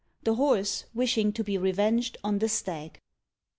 THE HORSE WISHING TO BE REVENGED ON THE STAG.